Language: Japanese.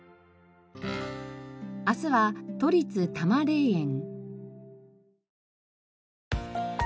明日は都立多磨霊園。